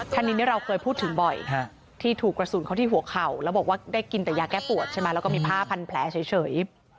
ท่านนี้เราเคยพูดถึงบ่อยที่ถูกกระสุนเขาที่หัวเข่าแล้วบอกว่าได้กินแต่ยาแก้ปวดใช่ไหมแล้วก็มีผ้าพันแผลเฉย